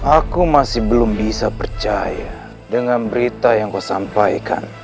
aku masih belum bisa percaya dengan berita yang kau sampaikan